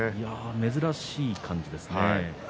珍しい感じですね。